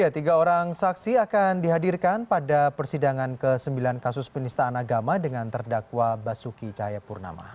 tiga orang saksi akan dihadirkan pada persidangan ke sembilan kasus penistaan agama dengan terdakwa basuki cahayapurnama